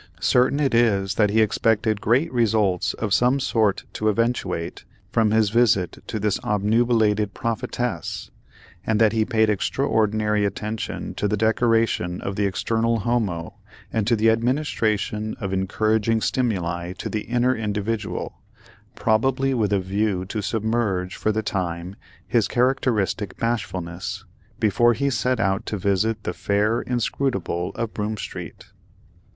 Certain it is that he expected great results of some sort to eventuate from his visit to this obnubilated prophetess, and that he paid extraordinary attention to the decoration of the external homo, and to the administration of encouraging stimuli to the inner individual, probably with a view to submerge, for the time, his characteristic bashfulness, before he set out to visit the fair inscrutable of Broome street.